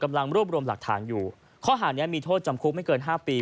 กำลังรวบรวมหลักฐานอยู่ข้อหานี้มีโทษจำคุกไม่เกินห้าปี